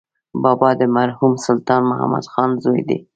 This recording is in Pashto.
بابا د مرحوم سلطان محمد خان زوی دی.